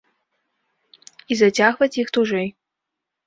І зацягваць іх тужэй.